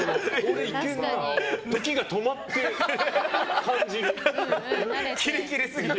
時が止まって感じる。